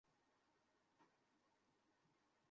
হলে তোমরা অন্যায়কারীদের অন্তর্ভুক্ত হবে।